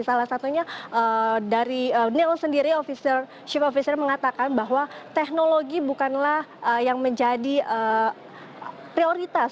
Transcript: salah satunya dari neil sendiri shift officer mengatakan bahwa teknologi bukanlah yang menjadi prioritas